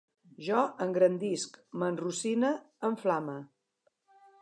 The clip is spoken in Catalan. Jo engrandisc, m'enrossine, em flame